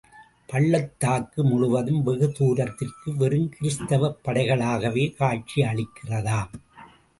பள்ளத்தாக்கு முழுவதும் வெகு தூரத்திற்கு வெறும் கிறிஸ்தவப் படைகளாகவே காட்சியளிக்கிறதாம்.